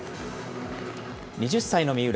２０歳の三浦。